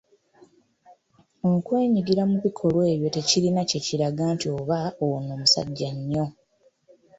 Okwenyigira mu bikolwa ebyo tekirina kye kiraga nti oba ono musajja nnyo.